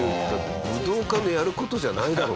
武道家のやる事じゃないだろ。